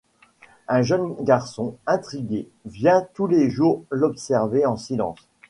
Un jeune garçon, intrigué, vient tous les jours l'observer en silence.